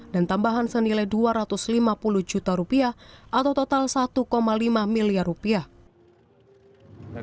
dan tambahan senilai dua ratus lima puluh juta rupiah atau total satu lima miliar rupiah